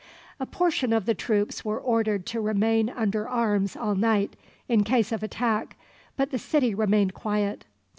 A portion of the troops were ordered to remain under arms all night, in case of attack, but the city remained quiet.